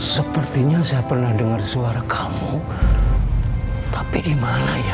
sepertinya saya pernah dengar suara kamu tapi eh malah ya